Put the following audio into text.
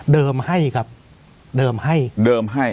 เดิมให้ครับเดิมให้